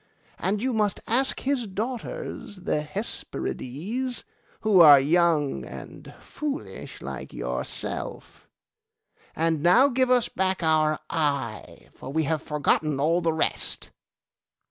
And you must ask his daughters, the Hesperides, who are young and foolish like yourself. And now give us back our eye, for we have forgotten all the rest.